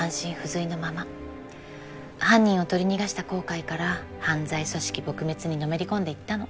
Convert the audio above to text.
犯人を取り逃がした後悔から犯罪組織撲滅にのめり込んでいったの。